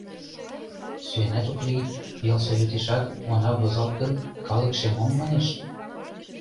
— Сӱанат ок лий, ялсоветешат она возалт гын, калыкше мом манеш?